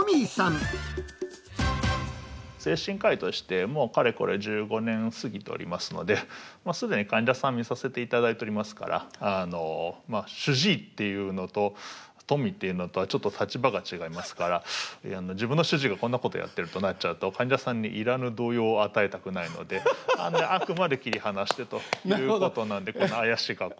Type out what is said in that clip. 精神科医としてもうかれこれ１５年過ぎておりますので既に患者さん診させていただいておりますから主治医っていうのとＴｏｍｙっていうのとはちょっと立場が違いますから自分の主治医がこんなことやってるとなっちゃうと患者さんにいらぬ動揺を与えたくないのであくまで切り離してということなんでこんな怪しい格好。